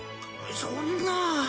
そんな。